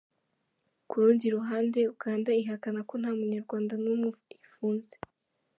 Ku rundi ruhande, Uganda ihakana ko nta Munyarwanda n’umwe ifunze.